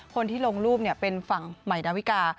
คนที่ลงรูปเป็นฝั่งใหม่ดาวิกา